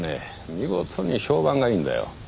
見事に評判がいいんだよ